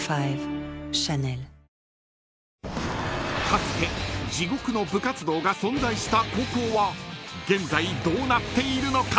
［かつて地獄の部活動が存在した高校は現在どうなっているのか？］